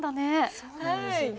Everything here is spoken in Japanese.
そうなんですよね。